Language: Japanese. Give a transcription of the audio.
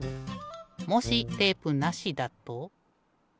もしテープなしだと。